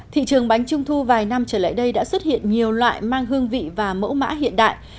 thị trường bánh trung thu vài năm trở lại đây đã xuất hiện nhiều loại mang hương vị và mẫu mã hiện đại